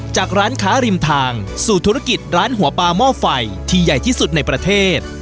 ร้านค้าริมทางสู่ธุรกิจร้านหัวปลาหม้อไฟที่ใหญ่ที่สุดในประเทศ